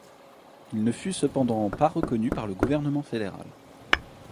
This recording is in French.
Il ne fut cependant pas reconnu par le gouvernement fédéral.